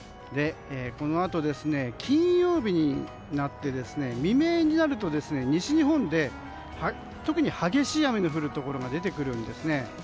このあと、金曜日になって未明になると西日本で、特に激しい雨の降るところが出てくるんですね。